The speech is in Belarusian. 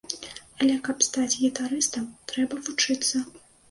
Але каб стаць гітарыстам, трэба вучыцца.